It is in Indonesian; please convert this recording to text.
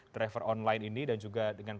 driver online ini dan juga dengan